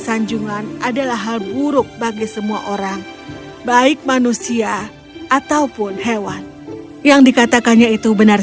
sanjungan adalah hal buruk bagi semua orang baik manusia ataupun hewan yang dikatakannya itu benar